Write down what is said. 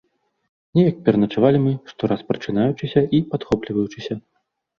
Неяк пераначавалі мы, штораз прачынаючыся і падхопліваючыся.